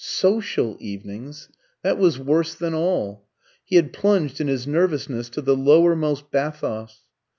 "Social evenings" that was worse than all. He had plunged in his nervousness to the lowermost bathos.